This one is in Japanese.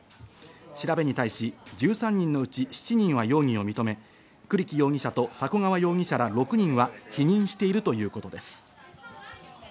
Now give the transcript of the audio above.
調べに対し１３人のうち７人は容疑を認め、栗木容疑者とさこ川容疑者ら６人は否認しているということです。